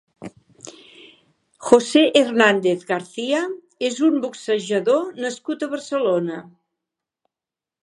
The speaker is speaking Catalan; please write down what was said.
José Hernández García és un boxejador nascut a Barcelona.